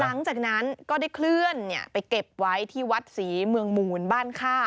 หลังจากนั้นก็ได้เคลื่อนไปเก็บไว้ที่วัดศรีเมืองมูลบ้านค่า